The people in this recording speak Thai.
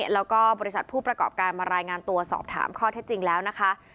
แล้วก็บริษัทผู้ประกอบการมารายงานตัวสอบถามข้อเท็จจริงแล้วนะคะ